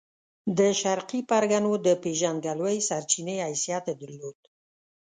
د شرقي پرګنو د پېژندګلوۍ سرچینې حیثیت یې درلود.